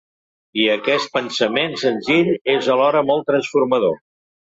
I aquest pensament senzill és alhora molt transformador.